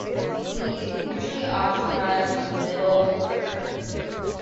He usually occupies the middle order.